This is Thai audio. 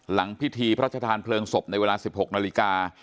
หลังพิธีพระชธานเพลิงศพในเวลา๑๖นาฬิกา